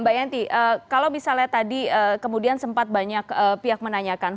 mbak yanti kalau misalnya tadi kemudian sempat banyak pihak menanyakan